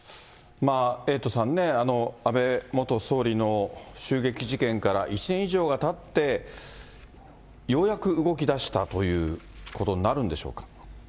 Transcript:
エイトさんね、安倍元総理の襲撃事件から１年以上がたって、ようやく動き出したということになるんでしょうか。